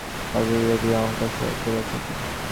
আমাদের এখন অবস্থা ভালো নয়, কাজেই ইহাদের অহংকার সহ্য করিয়া থাকি।